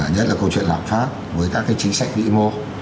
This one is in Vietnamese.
nhất là câu chuyện lạc pháp với các cái chính sách bị mộ